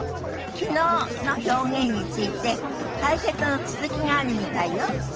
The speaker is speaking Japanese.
「昨日」の表現について解説の続きがあるみたいよ。